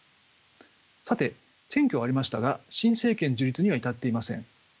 さて選挙は終わりましたが新政権樹立には至っていません。